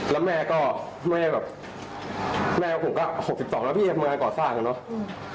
แล้วแม่ก็แม่แบบแม่ก็ผมก็หกสิบสองแล้วพี่มันก่อนสร้างอ่ะเนอะอืม